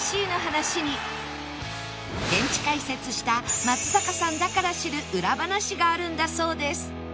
現地解説した松坂さんだから知る裏話があるんだそうです